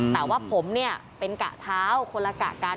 แต่ว่าผมเนี่ยเป็นกะเช้าคนละกะกัน